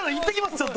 ちょっと。